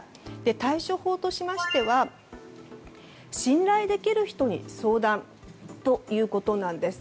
対処法としましては信頼できる人に相談ということです。